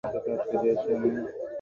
বিনোদিনী, চা লইয়া বিহারীর কাছে গেল না।